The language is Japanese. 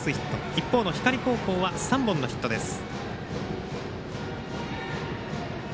一方の光高校は３本のヒットです。